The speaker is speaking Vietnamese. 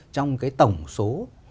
trong tổng số